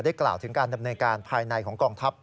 กล่าวถึงการดำเนินการภายในของกองทัพ